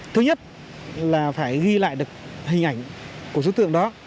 thứ nhất là phải ghi lại được hình ảnh của đối tượng đó